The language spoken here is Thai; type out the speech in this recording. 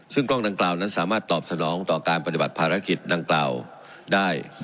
ซึ่งกล้องดังกล่าวนั้นสามารถตอบสนองต่อการปฏิบัติภารกิจดังกล่าวได้